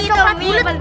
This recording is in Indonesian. jempolnya dalam bunga